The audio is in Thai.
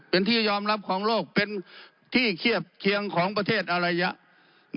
เป็นที่ยอมรับของโลกเป็นที่เทียบเคียงของประเทศอารยะ